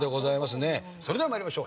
それでは参りましょう。